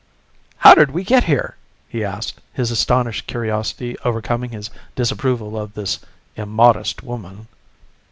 "How did we get here?" he asked, his astonished curiosity overcoming his disapproval of this immodest woman.